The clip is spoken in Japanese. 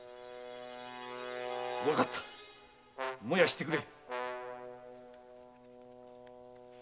わかった燃やしてくれ！